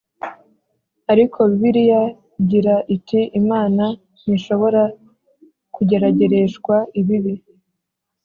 Ariko Bibiliya igira iti Imana ntishobora kugeragereshwa ibibi